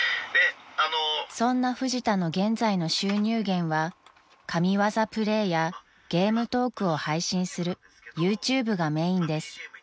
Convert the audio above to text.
［そんなフジタの現在の収入源は神業プレーやゲームトークを配信するＹｏｕＴｕｂｅがメインです］